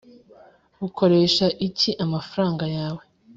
Ukoresha iki amafaranga yawe